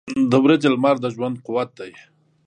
• د ورځې لمر د ژوند قوت دی.